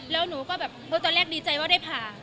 แล้วหนูก็แบบตอนแรกดีใจว่าได้ผ่า